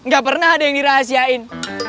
gak pernah ada yang dirahasiain